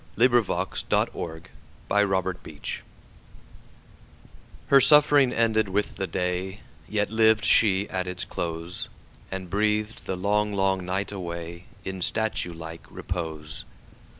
By JamesAldrich 331 A Death Bed HER suffering ended with the day, Yet lived she at its close, And breathed the long; long night awayIn statue like repose.